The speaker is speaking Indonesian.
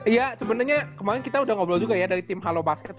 iya sebenarnya kemarin kita udah ngobrol juga ya dari tim halo basket